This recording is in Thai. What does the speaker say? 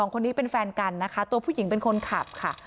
คนนี้เป็นแฟนกันนะคะตัวผู้หญิงเป็นคนขับค่ะ